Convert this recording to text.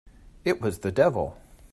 It was the devil!